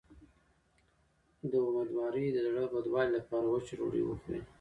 د امیدوارۍ د زړه بدوالي لپاره وچه ډوډۍ وخورئ